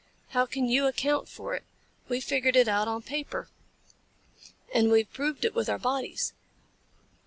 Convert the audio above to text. How can you account for it? We figured it out on paper. And we've proved it with our bodies.